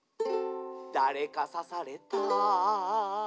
「だれかさされた」